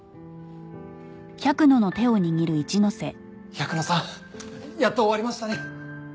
百野さんやっと終わりましたね。